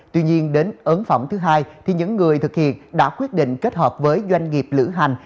tuy nhiên đến ấn phẩm thứ hai thì những người thực hiện đã quyết định kết hợp với doanh nghiệp lữ hành